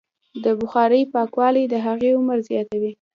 د بخارۍ پاکوالی د هغې عمر زیاتوي.